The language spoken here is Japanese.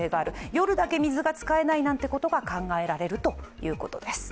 夜だけ水が使えないなんてことが考えられるということです。